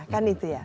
kan itu ya